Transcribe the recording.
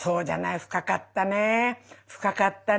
深かったね深かったね